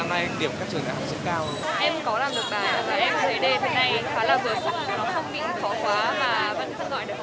em có làm được bài em thấy đề thế này khá là vừa nó không bị khó khó mà văn phân gọi được học sinh